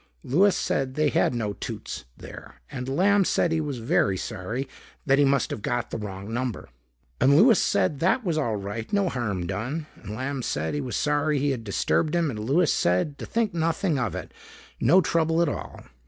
Louis said they had no Toots there and Lamb said he was very sorry, that he must have got the wrong number. And Louis said that was all right, no harm done. And Lamb said he was sorry he had disturbed him and Louis said to think nothing of it, no trouble at all.